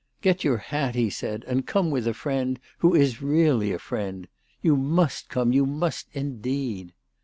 " Get your hat," he said, " and come with a friend who is really a friend. You must come ; you must, indeed."